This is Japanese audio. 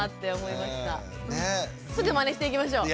すぐまねしていきましょう。